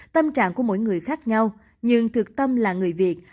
tâm trạng của mỗi người khác nhau nhưng thực tâm là người việt